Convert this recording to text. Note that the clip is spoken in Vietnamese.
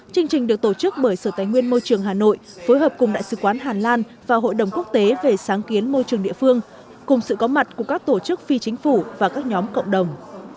chương trình được tổ chức bởi sở tài nguyên môi trường hà nội phối hợp cùng đại sứ quán hàn lan và hội đồng quốc tế về sáng kiến môi trường địa phương cùng sự có mặt của các tổ chức phi chính phủ và các nhóm cộng đồng